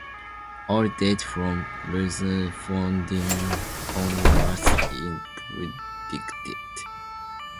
All data from rutherfordium onwards is predicted.